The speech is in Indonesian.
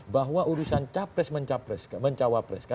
bahwa urusan capres mencawapres